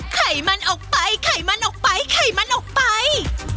ไขมันออกไปไขมันออกไปไขมันออกไป